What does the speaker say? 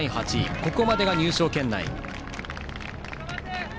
ここまでが入賞圏内。